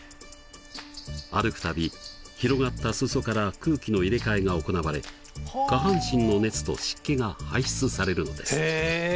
歩く度広がった裾から空気の入れ替えが行われ下半身の熱と湿気が排出されるのです。